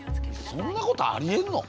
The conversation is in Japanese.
そんなことありえんの？